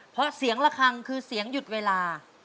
เพราะเสียงระคังคือเสียงหยุดเวลา